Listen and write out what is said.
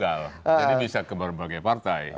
jadi bisa ke berbagai partai